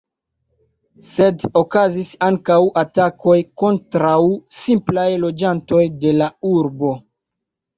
Sed okazis ankaŭ atakoj kontraŭ simplaj loĝantoj de la urbo.